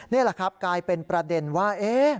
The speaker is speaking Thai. นี่แหละครับกลายเป็นประเด็นว่า